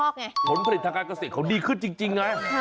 ส่วนผลิตภารกาศิกของเขาดีขึ้นจริงไง